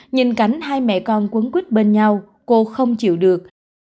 nhìn cảnh hai mẹ con quấn quýt bên nhau cô không chịu được